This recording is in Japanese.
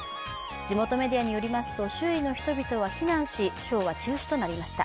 地元メディアによりますと周囲の人々は避難しショーは中止となりました。